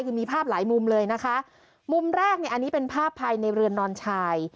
คือมีภาพหลายมุมเลยนะคะมุมแรกเนี่ยอันนี้เป็นภาพภายในเรือนนอนชาย